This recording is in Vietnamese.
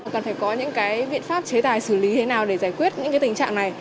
cần phải có những cái biện pháp chế tài xử lý thế nào để giải quyết những cái tình trạng này